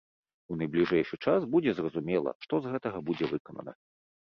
У найбліжэйшы час будзе зразумела, што з гэтага будзе выканана.